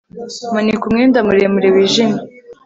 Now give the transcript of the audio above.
Manika umwenda muremure wijimye